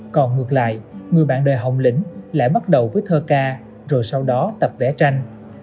còn ngược lại người bạn đời hồng lĩnh lại bắt đầu với thơ ca rồi sau đó tập vẽ tranh